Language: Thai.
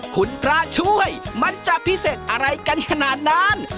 คุณพระช่วยมันจะพิเศษอะไรกันขนาดนั้น